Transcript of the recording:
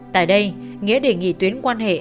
tại đây nghĩa đề nghị tuyến quan hệ